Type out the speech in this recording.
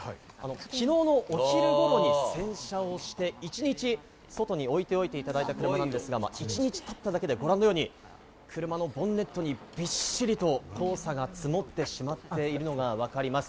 昨日のお昼頃に洗車をして一日、外に置いておいていただいた車なんですが、一日たっただけでご覧のように車のボンネットにびっしりと黄砂が積もってしまっているのがわかります。